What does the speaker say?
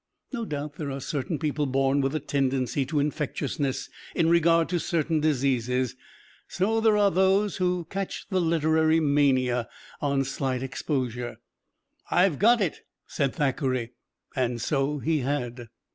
No doubt there are certain people born with a tendency to infectiousness in regard to certain diseases; so there are those who catch the literary mania on slight exposure. "I've got it," said Thackeray, and so he had.